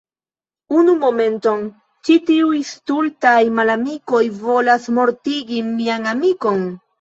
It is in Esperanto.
Unu momenton, ĉi tiuj stultaj malamikoj volas mortigi mian amikon.